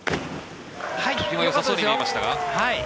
よさそうに見えましたが。